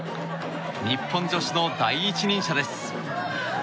日本女子の第一人者です。